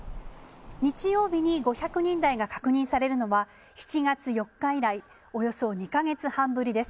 日曜日に５００人台が確認されるのは、７月４日以来、およそ２か月半ぶりです。